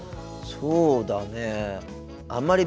そうだね。